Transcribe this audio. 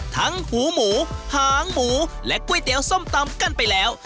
หูหมูหางหมูและก๋วยเตี๋ยวส้มตำกันไปแล้ว